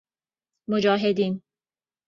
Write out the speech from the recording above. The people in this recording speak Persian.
مجاهیدن